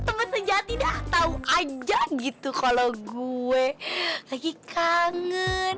temen temen sejati dah tau aja gitu kalo gue lagi kangen